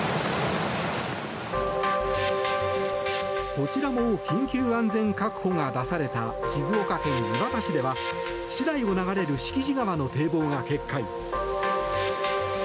こちらも緊急安全確保が出された静岡県磐田市では市内を流れる敷地川の堤防が決壊。